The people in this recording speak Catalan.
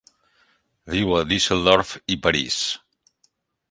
Viu a Düsseldorf i París.